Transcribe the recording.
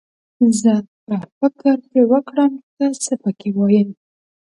زه به فکر پرې وکړم، ته څه پکې وايې.